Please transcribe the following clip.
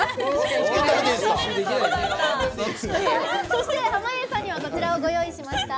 そして、濱家さんにはこちらをご用意しました。